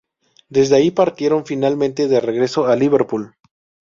Desde ahí partieron finalmente de regreso a Liverpool.